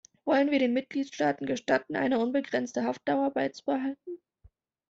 Wollen wir den Mitgliedstaaten gestatten, eine unbegrenzte Haftdauer beizubehalten?